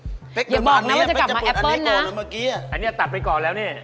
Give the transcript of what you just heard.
อย่าบอกแล้วว่าจะกลับมาแอปเปิ้ลนะอันนี้ตัดไปก่อนแล้วเนี้ย